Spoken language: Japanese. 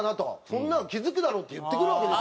そんなの気付くだろって言ってくるわけですよ。